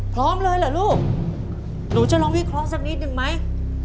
พร้อมเลยเหรอลูกหนูจะลองวิเคราะห์สักนิดนึงไหม